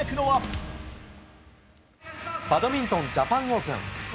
バドミントンジャパンオープン。